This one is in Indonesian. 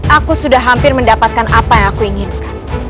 aku sudah hampir mendapatkan apa yang aku inginkan